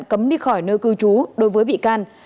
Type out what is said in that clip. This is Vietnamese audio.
cấm đi khỏi nơi cư trú đối với bị can